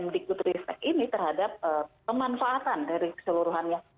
kita pertama aja pake ini terhadap pemanfaatan dari keseluruhannya